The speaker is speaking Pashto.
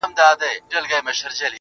ډك د ميو جام مي د زړه ور مــات كړ.